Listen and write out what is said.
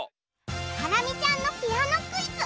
ハラミちゃんのピアノクイズ。